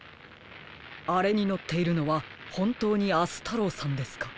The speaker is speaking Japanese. あれにのっているのはほんとうに明日太郎さんですか？